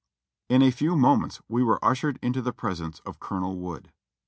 In a few moments we were ushered into the presence of Colo nel Wood.